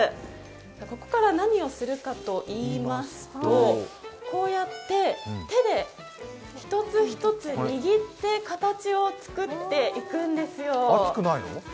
ここから何をするかと言いますと、こうやって手で１つ１つ握って形を作っていくんですよ。